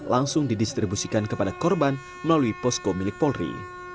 langsung didistribusikan kepada korban melalui posko milik polri